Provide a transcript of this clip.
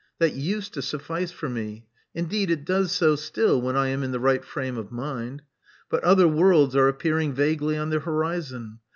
That used to suffice for me: indeed, it does so still when I am in the right frame of mind. But other worlds are appearing vaguely on the horizon.